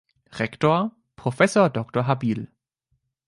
Rektor: Prof. Dr. habil.